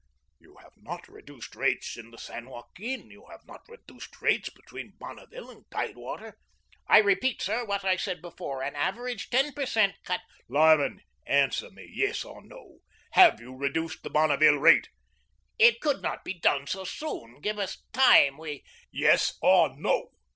"You have not reduced rates in the San Joaquin? You have not reduced rates between Bonneville and tidewater?" "I repeat, sir, what I said before. An average ten per cent. cut " "Lyman, answer me, yes or no. Have you reduced the Bonneville rate?" "It could not be done so soon. Give us time. We " "Yes or no!